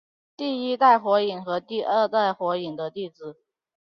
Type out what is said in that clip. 第一代火影和第二代火影的弟子。